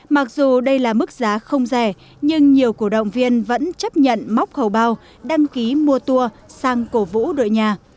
mặc dù đây là mức giá không rẻ nhưng nhiều cổ động viên vẫn chấp nhận móc khẩu bao đăng ký mua tour sang cổ vũ đội nhà